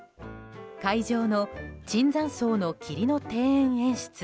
会場の椿山荘の霧の庭園演出